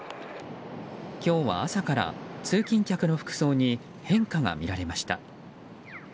今日は朝から通勤客の服装に変化が見られました。